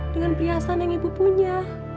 dengan perhiasan yang ibu punya